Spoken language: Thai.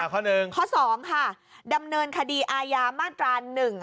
ข้อ๑ข้อ๒ค่ะดำเนินคดีอาญามาตรา๑๑